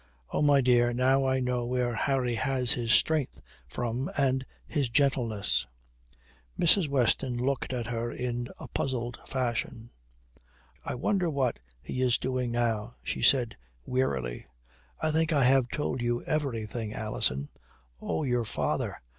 "Oh, my dear, now I know where Harry has his strength from and his gentleness." Mrs. Weston looked at her in a puzzled fashion. "I wonder what he is doing now?" she said wearily. "I think I have told you everything, Alison. Oh! Your father.